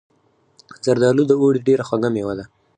زردالو د اوړي ډیره خوږه میوه ده.